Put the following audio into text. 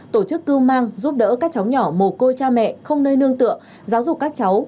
tổ chức cưu mang giúp đỡ các cháu nhỏ mồ côi cha mẹ không nơi nương tựa giáo dục các cháu